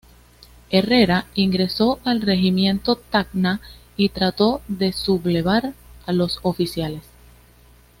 Herrera ingresó al Regimiento Tacna y trato de sublevar a los oficiales.